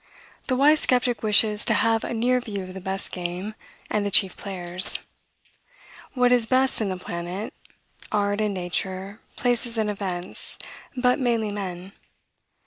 The wise skeptic wishes to have a near view of the best game, and the chief players; what is best in the planet; art and nature, places and events, but mainly men.